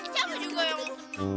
siapa juga yang mau